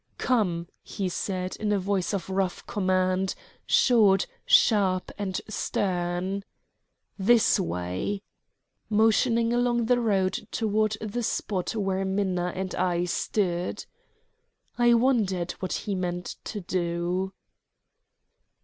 "Come," he said in a voice of rough command, short, sharp, and stern. "This way," motioning along the road toward the spot where Minna and I stood. I wondered what he meant to do.